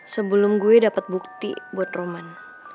sebelum gue dapet bukti buat roman